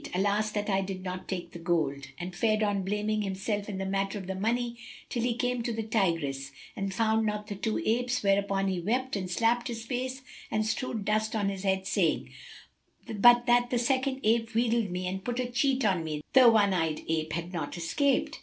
Alas that I did not take the gold!" and fared on blaming himself in the matter of the money till he came to the Tigris, but found not the two apes, whereupon he wept and slapped his face and strewed dust on his head, saying, "But that the second ape wheedled me and put a cheat on me, the one eyed ape had not escaped."